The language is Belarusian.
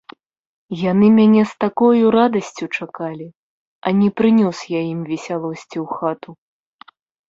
Яны мяне з такою радасцю чакалі, а не прынёс я ім весялосці ў хату.